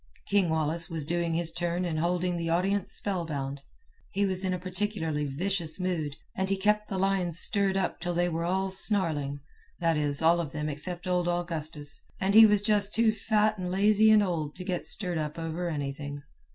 King Wallace was doing his turn and holding the audience spellbound. He was in a particularly vicious mood, and he kept the lions stirred up till they were all snarling, that is, all of them except old Augustus, and he was just too fat and lazy and old to get stirred up over anything.